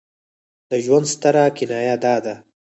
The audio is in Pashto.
د ژوند ستره کنایه دا ده.